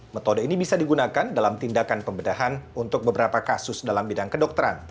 metode ini bisa digunakan dalam tindakan pembedahan untuk beberapa kasus dalam bidang kedokteran